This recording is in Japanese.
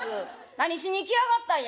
何しに来やがったんや」。